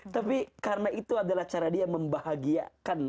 tapi karena itu adalah cara dia membahagiakan